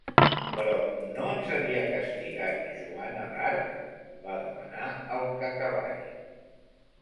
Però no ens havia castigat Joana d'Arc? —va demanar el Cacavall.